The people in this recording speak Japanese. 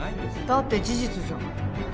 だって事実じゃん。